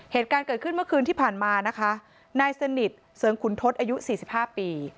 เหตุการณ์เกิดขึ้นเมื่อคืนที่ผ่านมานะคะนายสนิทเสริมขุนทศอายุ๔๕ปี